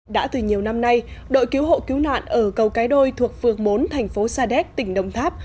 đã từ nhiều năm nay đội cứu hộ cứu nạn ở cầu cái đôi thuộc phường bốn thành phố sa đéc tỉnh đồng tháp